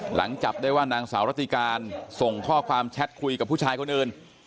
หลังจับได้ว่านางสาวรัติการส่งข้อความแชทคุยกับผู้ชายคนอื่น